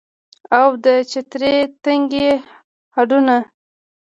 او د چترۍ تنکي هډونه